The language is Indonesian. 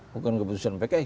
bukan keputusan pks